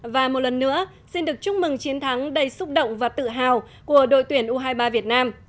và một lần nữa xin được chúc mừng chiến thắng đầy xúc động và tự hào của đội tuyển u hai mươi ba việt nam